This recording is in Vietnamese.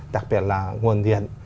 đặc biệt là nguồn điện